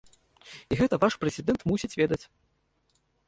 І гэта ваш прэзідэнт мусіць ведаць.